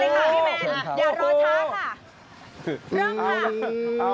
มาเลยค่ะพี่แมนอย่ารอช้าค่ะ